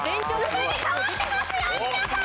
生まれ変わってますよ皆さん！